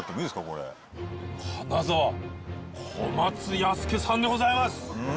これ金沢小松弥助さんでございます